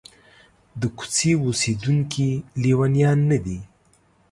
د کوڅې اوسېدونکي لېونیان نه دي.